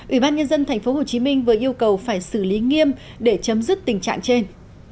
ủy ban nhân dân tp hcm vừa yêu cầu phải xử lý nghiêm để chấm dứt tình trạng trên